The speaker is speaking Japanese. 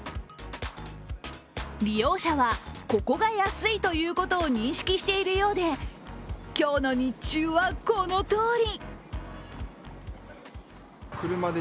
利用者はここが安いということを認識しているようで今日の日中はこのとおり！